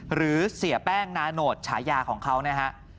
หรือเสียแป้งนานโนทชายาของเขานะครับ